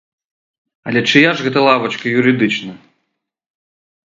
Але чыя ж гэта лавачка юрыдычна?